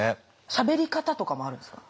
しゃべり方とかもあるんですか？